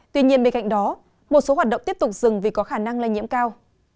tuy nhiên bên cạnh đó một số hoạt động tiếp tục dừng vì có khả năng lây nhiễm cao